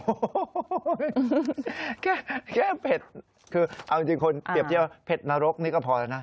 โอ้โหแค่เผ็ดคือเอาจริงคนเปรียบเที่ยวเผ็ดนรกนี่ก็พอแล้วนะ